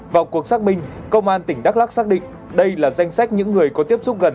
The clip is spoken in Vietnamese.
vào cuộc xác minh công an tỉnh đắk lắc xác định đây là danh sách những người có tiếp xúc gần